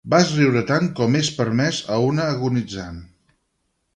Vas riure tant com és permès a una agonitzant.